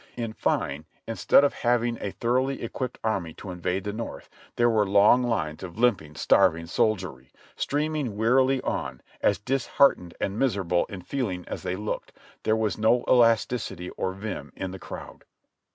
In fine, instead of having a thoroughly equipped army to invade the North, there were long lines of limping, starving soldiery, streaming wearily on, as disheartened and miserable in feeling as they looked ; there was no elasticity or vim in the crowd.